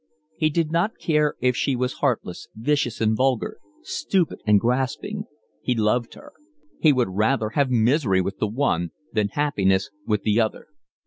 He did not care if she was heartless, vicious and vulgar, stupid and grasping, he loved her. He would rather have misery with the one than happiness with the other.